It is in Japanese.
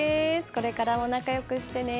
これからも仲良くしてね。